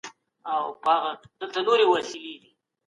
خپل او د نورو حقوق وساتئ.